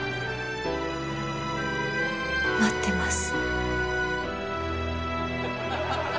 待ってます。